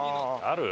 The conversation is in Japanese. ある？